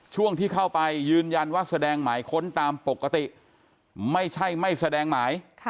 ช่วงที่เข้าไปยืนยันว่าแสดงหมายค้นตามปกติไม่ใช่ไม่แสดงหมาย